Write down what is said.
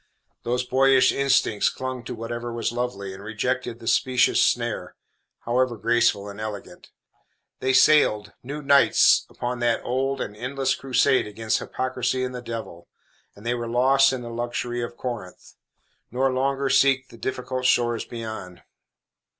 Those boyish instincts clung to whatever was lovely, and rejected the specious snare, however graceful and elegant. They sailed, new knights, upon that old and endless crusade against hypocrisy and the devil, and they were lost in the luxury of Corinth, nor longer seek the difficult shores beyond.